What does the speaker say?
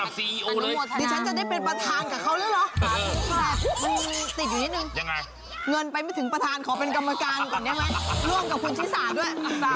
ร่วมกับคุณชิสาด้วย